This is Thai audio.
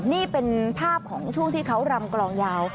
นี่เป็นภาพของช่วงที่เขารำกลองยาว